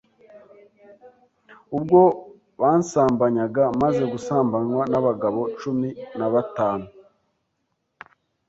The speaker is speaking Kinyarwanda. ubwo bansambanyaga, maze gusambanywa n’abagabo cumi nabatanu